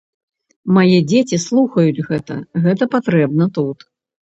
Мае дзеці слухаюць гэта, гэта патрэбна тут.